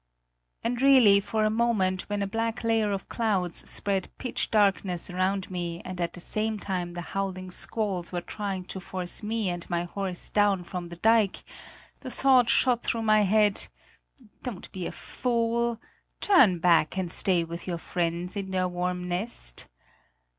And really, for a moment, when a black layer of clouds spread pitch darkness round me and at the same time the howling squalls were trying to force me and my horse down from the dike, the thought shot through my head: "Don't be a fool! Turn back and stay with your friends in their warm nest."